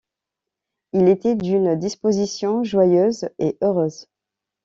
Il était d'une disposition joyeuse et heureuse.